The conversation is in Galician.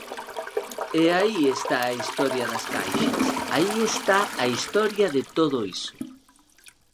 E aí está a historia das caixas, aí está a historia de todo iso.